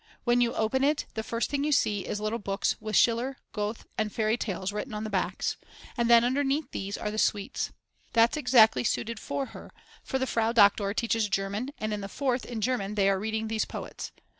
When you open it the first thing you see is little books with Schiller, Goethe, and Fairy Tales written on the backs, and then underneath these are the sweets. That's exactly suited for her, for the Frau Doktor teaches German and in the Fourth in German they are reading these poets.